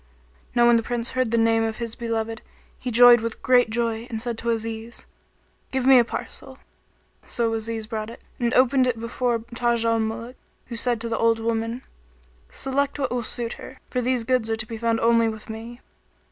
Now when the Prince heard the name of his beloved, he joyed with great joy and said to Aziz, "Give me such a parcel." So Aziz brought it and opened it before Taj al Muluk who said to the old woman, "Select what will suit her; for these goods are to be found only with me."